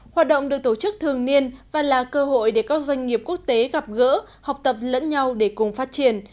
hoạt động được tổ chức thường niên và là cơ hội để các doanh nghiệp quốc tế gặp gỡ học tập lẫn nhau để cùng phát triển